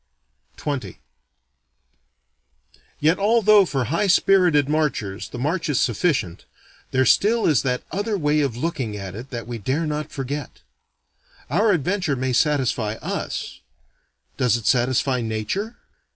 XX Yet although for high spirited marchers the march is sufficient, there still is that other way of looking at it that we dare not forget. Our adventure may satisfy us: does it satisfy Nature?